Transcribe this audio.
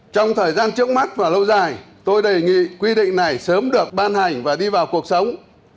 trong thời gian trước mắt và lâu dài tôi đề nghị quy định này sớm được ban hành và đi vào cuộc sống